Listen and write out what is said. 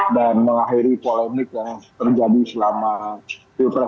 dan mengakhiri polemik yang terjadi selama